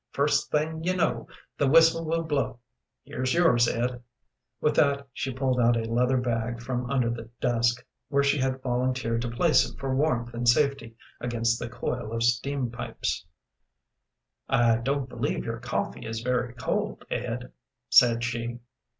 "First thing you know the whistle will blow. Here's yours, Ed." With that she pulled out a leather bag from under the desk, where she had volunteered to place it for warmth and safety against the coil of steam pipes. "I don't believe your coffee is very cold, Ed," said she.